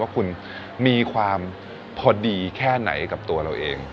ว่าคุณมีความพอดีแค่ไหนกับตัวเราเอง